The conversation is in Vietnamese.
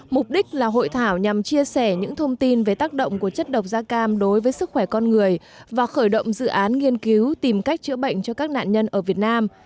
mục đích là hội thảo nhằm chia sẻ những thông tin về tác động của chất độc da cam đối với sức khỏe con người và khởi động dự án nghiên cứu tìm cách chữa bệnh cho các nạn nhân ở việt nam